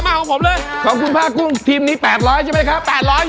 ๖ตัวครับ๖ตัว๖ตัวนี่เครื่องเยียมครับ